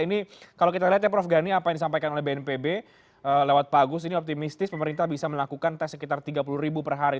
ini kalau kita lihat ya prof gani apa yang disampaikan oleh bnpb lewat pak agus ini optimistis pemerintah bisa melakukan tes sekitar tiga puluh ribu per hari